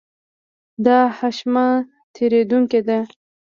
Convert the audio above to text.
دا هښمه تېرېدونکې ده.